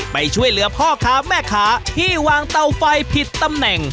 ไปช่วยเหลือพ่อค้าแม่ค้าที่วางเตาไฟผิดตำแหน่ง